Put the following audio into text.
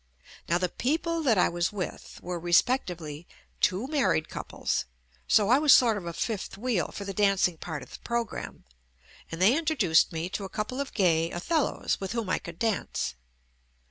Now the people that I was with were, respectively, two married couples, so I was sort of a fifth wheel for the dancing part of the programme, and they introduced me to a couple of gay "Othellos" with whom I could dance.